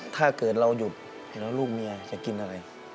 ถ้าเกิดเราหยุดเห็นแล้วลูกเมียจะกินอะไร